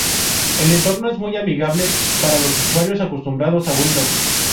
El entorno es muy amigable para los usuarios acostumbrados a Windows.